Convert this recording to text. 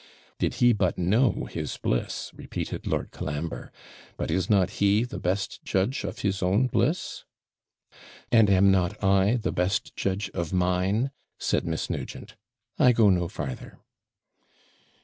'Did he but know his bliss,' repeated Lord Colambre; 'but is not he the best judge of his own bliss?' 'And am not I the best judge of mine?' said Miss Nugent; 'I go no farther.'